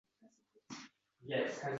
Yo’q bo’lib ketay